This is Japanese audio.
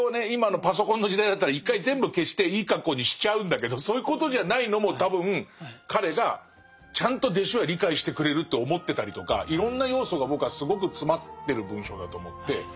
今のパソコンの時代だったら一回全部消していい格好にしちゃうんだけどそういうことじゃないのも多分彼がちゃんと弟子は理解してくれるって思ってたりとかいろんな要素が僕はすごく詰まってる文章だと思って。